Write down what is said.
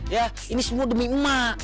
ya ini semua demi uma